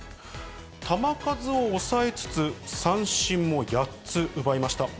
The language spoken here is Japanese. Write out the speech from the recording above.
球数を抑えつつ、三振も８つ奪いました。